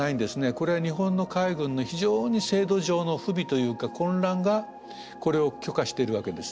これは日本の海軍の非常に制度上の不備というか混乱がこれを許可してるわけです。